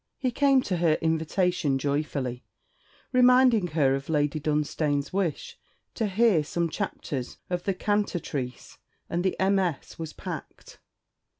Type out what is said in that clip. He came to her invitation joyfully, reminding her of Lady Dunstane's wish to hear some chapters of THE CANTATRICE, and the MS. was packed.